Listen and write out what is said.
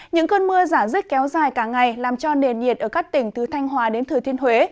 những cơn mưa giả dứt kéo dài cả ngày làm cho nền nhiệt ở các tỉnh từ thanh hòa đến thừa thiên huế